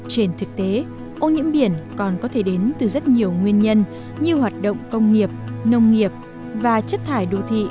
trên thực tế ô nhiễm biển còn có thể đến từ rất nhiều nguyên nhân như hoạt động công nghiệp nông nghiệp và chất thải đô thị